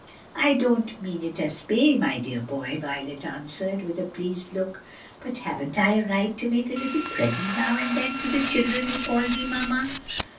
"I don't mean it as pay, my dear boy," Violet answered, with a pleased look, "but haven't I a right to make a little present now and then to the children who call me mamma?"